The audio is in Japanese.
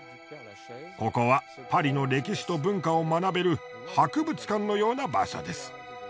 ここはパリの歴史と文化を学べる博物館のような場所です。